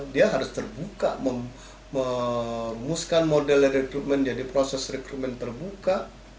dia harus terbuka merumuskan model rekrutmen jadi proses rekrutmen terbuka